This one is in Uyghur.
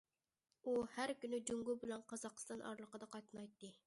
ئۇ ھەر كۈنى جۇڭگو بىلەن قازاقىستان ئارىلىقىدا قاتنايتتى.